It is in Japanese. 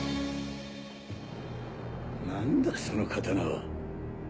何だその刀は。